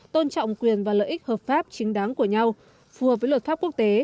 tôn trọng quyền và lợi ích hợp pháp chính đáng của nhau phù hợp với luật pháp quốc tế